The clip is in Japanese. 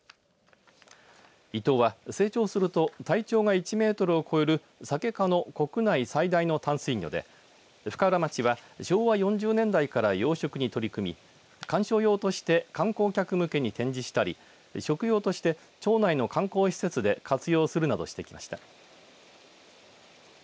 イトウは成長すると体長が１メートルを超えるサケ科の国内最大の淡水魚で深浦町は昭和４０年代から養殖に取り組み観賞用として観光客向けに展示したり食用として町内の観光施設で活用するなどしてきました。